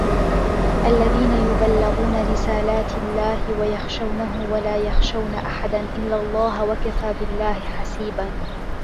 الَّذينَ يُبَلِّغونَ رِسالاتِ اللَّهِ وَيَخشَونَهُ وَلا يَخشَونَ أَحَدًا إِلَّا اللَّهَ وَكَفى بِاللَّهِ حَسيبًا